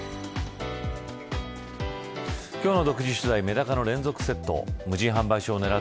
今日の独自取材メダカの連続窃盗。